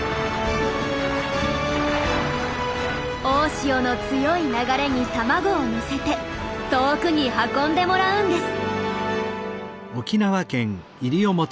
大潮の強い流れに卵を乗せて遠くに運んでもらうんです。